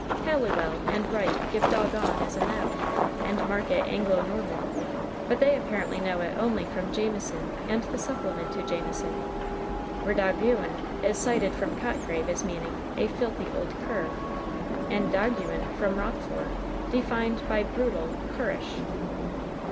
Halliwell and Wright give dogon as a noun, and mark it Anglo Norman, but they apparently know it only from Jamieson and the supplement to Jamieson, where dogguin is cited from Cotgrave as meaning "a filthie old curre," and doguin from Roquefort, defined by "brutal, currish" [hargneux].